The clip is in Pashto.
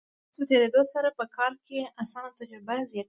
د وخت په تیریدو سره په کار کې د انسان تجربه زیاتیږي.